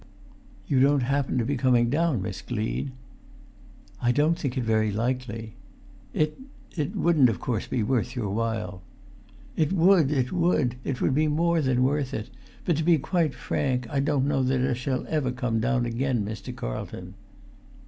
"You don't happen to be coming down, Miss Gleed?" "I don't think it very likely." [Pg 373]"It—it wouldn't of course be worth your while——" "It would! It would! It would be more than worth it; but, to be quite frank, I don't know that I shall ever come down again, Mr. Carlton."